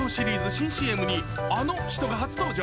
新ＣＭに、あの人が初登場。